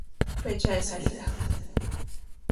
Fecha de salida